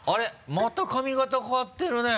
また髪形変わってるね。